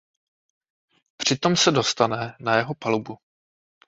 Přitom se dostane na jeho palubu.